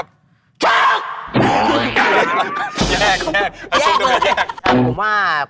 ผมว่าความสุดท้ายนะ